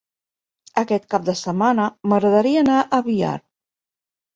Aquest cap de setmana m'agradaria anar a Biar.